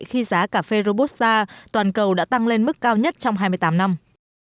khi giá cà phê robusta toàn cầu đã tăng lên mức cao nhất trong hai mươi tám năm